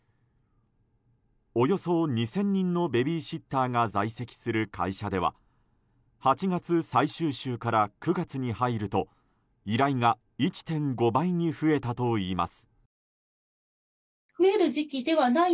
およそ２０００人のベビーシッターが在籍する会社では８月最終週から９月に入ると依頼が１．５倍に増えたといいます。